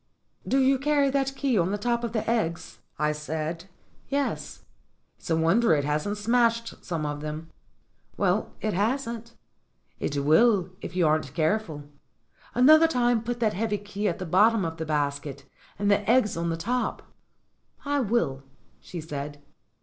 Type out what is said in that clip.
"Do" you carry that key on the top of the eggs?" I said. "Yes." "It's a wonder it hasn't smashed some of them." "Well, it hasn't." "It will, if you aren't careful. Another time put that heavy key at the bottom of the basket and the eggs on the top." "I will," she said.